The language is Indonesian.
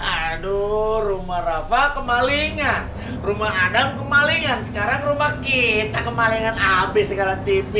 aduh rumah rafa kemalingan rumah adam kemalingan sekarang rumah kita kemalingan abis sekarang tv